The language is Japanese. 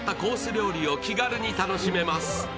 料理を気軽に楽しめます。